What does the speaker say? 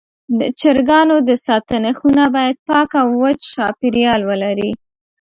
د چرګانو د ساتنې خونه باید پاکه او وچ چاپېریال ولري.